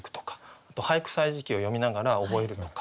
あと「俳句歳時記」を読みながら覚えるとか。